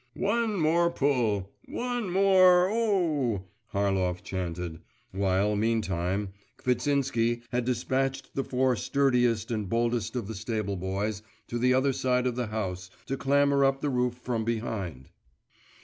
…' 'One more pull! one more! o oh!' Harlov chanted … while, meantime, Kvitsinsky had despatched the four sturdiest and boldest of the stable boys to the other side of the house to clamber up the roof from behind.